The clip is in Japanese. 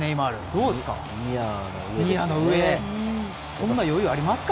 どうですか？